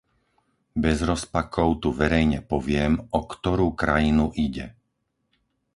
Bez rozpakov tu verejne poviem, o ktorú krajinu ide.